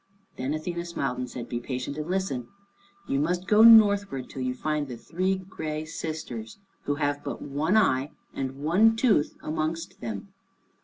Then Athene smiled and said, "Be patient and listen. You must go northward till you find the Three Gray Sisters, who have but one eye and one tooth amongst them.